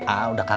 ah udah kangen